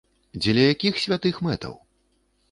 Дзеля якіх святых мэтаў?